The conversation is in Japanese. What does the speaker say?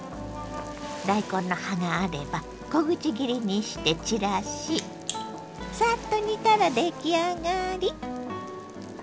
大根の葉があれば小口切りにして散らしサッと煮たら出来上がり。